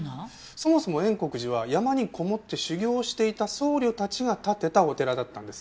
そもそも円刻寺は山にこもって修行をしていた僧侶たちが建てたお寺だったんですね。